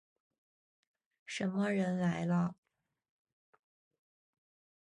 什么人来了？